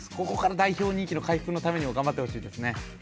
ここから代表人気の回復のためにも頑張ってほしいですね。